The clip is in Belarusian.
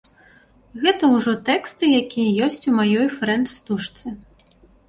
Гэта ўжо тэксты, якія ёсць у маёй фрэнд-стужцы.